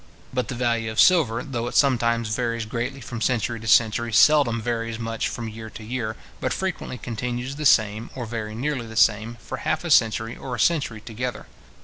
But the value of silver, though it sometimes varies greatly from century to century, seldom varies much from year to year, but frequently continues the same, or very nearly the same, for half a century or a century together.